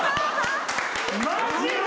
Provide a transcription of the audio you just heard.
マジで！？